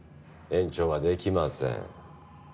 延長はできません。